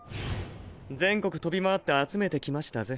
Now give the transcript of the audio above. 全国飛び回って集めてきましたぜ。